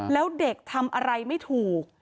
แล้วเด็กทำอะไรไม่ถูก